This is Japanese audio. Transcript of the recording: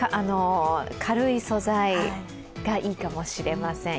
軽い素材がいいかもしれません。